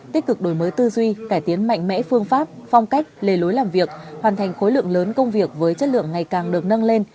tích cực đổi mới tư duy cải tiến mạnh mẽ phương pháp phong cách lề lối làm việc hoàn thành khối lượng lớn công việc với chất lượng ngày càng được nâng lên